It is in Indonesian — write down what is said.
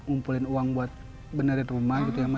umpulin uang buat benerin rumah gitu ya ma